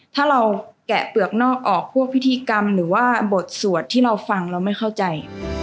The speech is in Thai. ถ้าเราแกะเปลือกนอกออกพวกพิธีกรรมหรือว่าบทสวดที่เราฟังเราไม่เข้าใจ